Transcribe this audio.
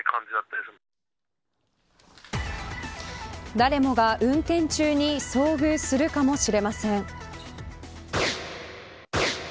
誰もが運転中に遭遇するかもしれません。